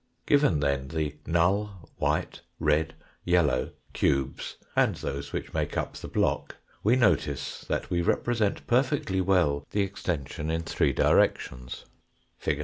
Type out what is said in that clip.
Given then the null, white, red, yellow cubes, and those which make up the block, we notice that we represent perfectly well the extension in three directions (fig.